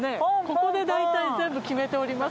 ここで大体全部決めておりますから。